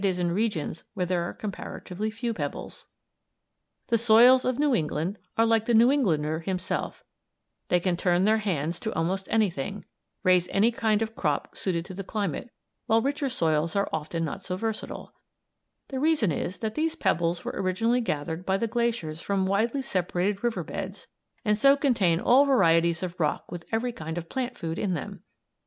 ] The soils of New England are like the New Englander himself, they can turn their hands to almost anything; raise any kind of crop suited to the climate, while richer soils are often not so versatile. The reason is that these pebbles were originally gathered by the glaciers from widely separated river beds, and so contain all varieties of rock with every kind of plant food in them.